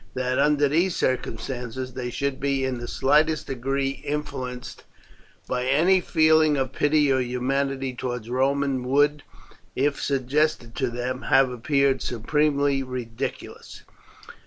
That, under these circumstances, they should be in the slightest degree influenced by any feeling of pity or humanity towards Romans would, if suggested to them, have appeared supremely ridiculous.